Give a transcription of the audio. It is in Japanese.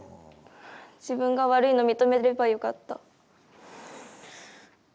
自分が悪いの認めればよかった。